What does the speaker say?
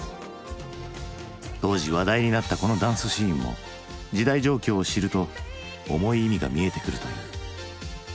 当時話題になったこのダンスシーンも時代状況を知ると重い意味が見えてくるという。